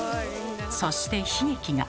そして悲劇が。